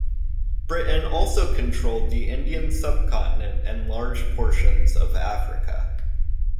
Britain also controlled the Indian subcontinent and large portions of Africa.